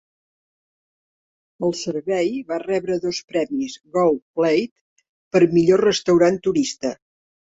El servei va rebre dos premis "Gold Plate" per "Millor restaurant turista".